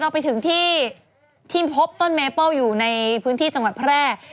ไปถึงที่ที่พบต้นเมเปิ้ลอยู่ในพื้นที่จังหวัดแพร่